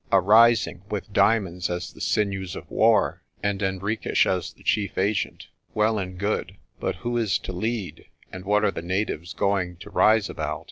"A rising, with diamonds as the sinews of war, and Henriques as the chief agent. Well and good! But who is to lead, and what are the natives going to rise about?